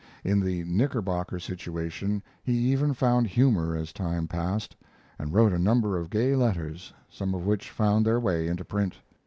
In the Knickerbocker situation he even found humor as time passed, and wrote a number of gay letters, some of which found their way into print.